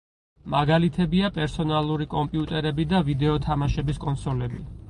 მაგალითებია პერსონალური კომპიუტერები და ვიდეო თამაშების კონსოლები.